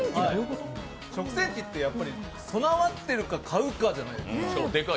食洗機ってやっぱり備わっているか、買うかじゃないですか。